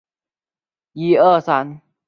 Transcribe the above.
安守廉是他取的中文名字。